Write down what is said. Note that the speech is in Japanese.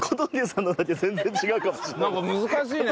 なんか難しいね！